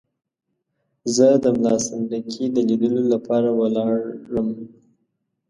زه د ملا سنډکي د لیدلو لپاره ولاړم.